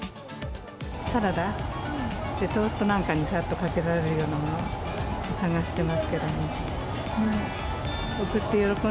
サラダ、トーストなんかにさっとかけられるようなもの探してますけども。